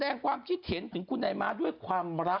ไม่เป็นกุระสตรีเอาซะเลยคุณนายม้าได้เห็นคลิปดังกล่าว